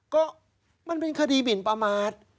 ก็มันเป็นคดีหมินประมาท